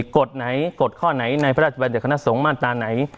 กฎไหนกฎข้อไหนในพระราชบัญญัติคณะสงฆ์มาตราไหน